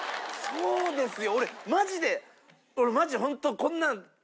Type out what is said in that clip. そうですよ！